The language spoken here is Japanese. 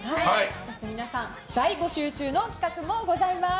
そして皆さん大募集中の企画もございます。